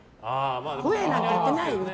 ホヤなんて売ってないよ。